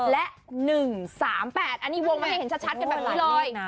และ๑๓๘อันนี้วงมาให้เห็นชัดกันแบบนี้เลย